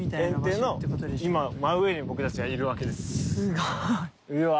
えん堤の今真上に僕たちはいるわけです。